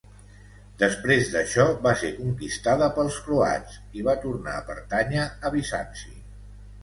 Després d'això va ser conquistada pels croats i va tornar a pertànyer a Bizanci.